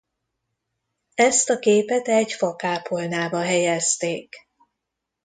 Ezt a képet egy fakápolnába helyezték.